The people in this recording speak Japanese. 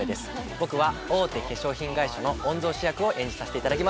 僕は大手化粧品会社の御曹司役を演じさせていただきます。